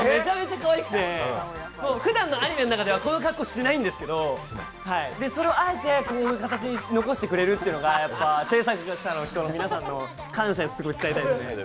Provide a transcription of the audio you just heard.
ふだんのアニメの中ではこの格好をしないんですけど、それをあえてこの形に残してくれるというのが制作者の皆さんに感謝を伝えたいですね。